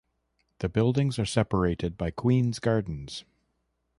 The buildings are separated by Queens Gardens.